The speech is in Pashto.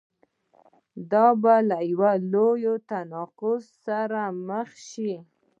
دا به له یوه لوی تناقض سره مخ شي.